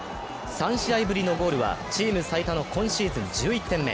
３試合ぶりのゴールはチーム最多の今シーズン１１点目。